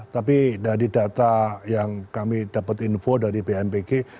tapi dari data yang kami dapat info dari bmpg